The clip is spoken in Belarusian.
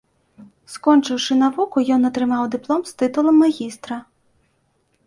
Скончыўшы навуку, ён атрымаў дыплом з тытулам магістра.